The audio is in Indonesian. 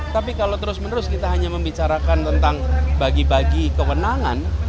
tapi kalau terus menerus kita hanya membicarakan tentang bagi bagi kewenangan